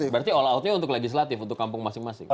berarti all outnya untuk legislatif untuk kampung masing masing